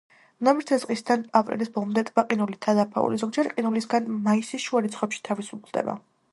ნოემბრის დასაწყისიდან აპრილის ბოლომდე ტბა ყინულითაა დაფარული, ზოგჯერ ყინულისგან მაისის შუა რიცხვებში თავისუფლდება.